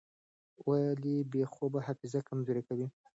ولې بې خوبي حافظه کمزورې کوي؟